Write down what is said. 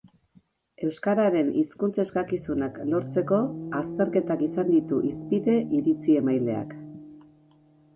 Euskararen hizkuntz eskakizunak lortzeko azterketak izan ditu hizpide iritzi-emaileak.